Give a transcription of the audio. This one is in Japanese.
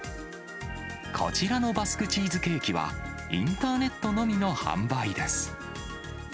こちらのバスクチーズケーキは、インターネットのみの販売です。